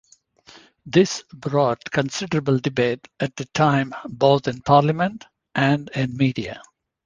This brought considerable debate at the time both in parliament and in the media.